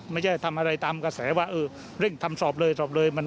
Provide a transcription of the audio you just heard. ไม่ได้ทำอะไรตามกระแสว่าเร่งทำสอบเลยสอบเลย